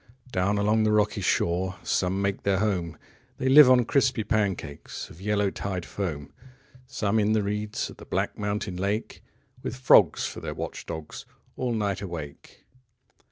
Down along the rocky shore Some make their home, 10 They live on crispy pancakes Of yellow tide foam; Some in the reeds Of the black mountain lake, With frogs for their watch dogs, 15 All night awake.